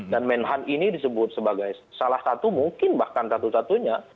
dan menhal ini disebut sebagai salah satu mungkin bahkan satu satunya